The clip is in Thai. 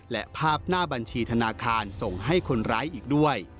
และภาพหน้าบัญชีธนาคารส่งให้คนร้ายอีกด้วย